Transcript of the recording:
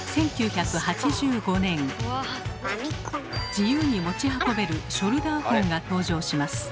自由に持ち運べるショルダーホンが登場します。